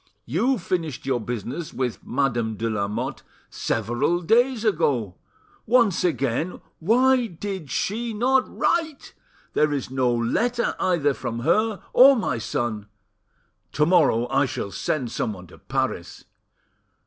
You finished your business with Madame de Lamotte several days ago: once again, why did she not write? There is no letter, either from her or my son! To morrow I shall send someone to Paris."